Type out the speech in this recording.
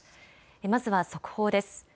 まずは速報です。